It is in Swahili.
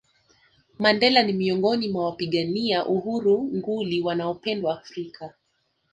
Mandela ni miongoni mwa wapigania uhuru nguli wanaopendwa Afrika